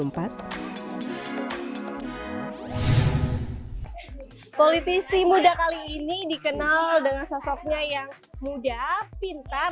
politisi muda kali ini dikenal dengan sosoknya yang muda pintar